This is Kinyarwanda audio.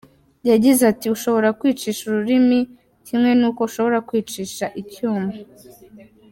Yagize ati “Ushobora kwicisha ururimi, kimwe nuko ushobora kwicisha icyuma.